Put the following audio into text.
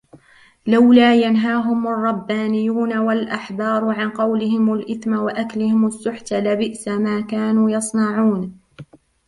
لَوْلَا يَنْهَاهُمُ الرَّبَّانِيُّونَ وَالْأَحْبَارُ عَنْ قَوْلِهِمُ الْإِثْمَ وَأَكْلِهِمُ السُّحْتَ لَبِئْسَ مَا كَانُوا يَصْنَعُونَ